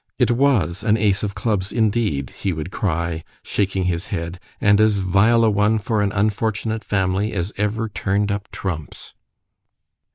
——It was an ace of clubs indeed, he would cry, shaking his head—and as vile a one for an unfortunate family as ever turn'd up trumps.